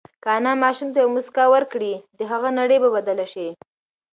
که انا ماشوم ته یوه مسکا ورکړي، د هغه نړۍ به بدله شي.